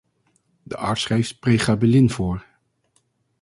De arts schreef pregabalin voor.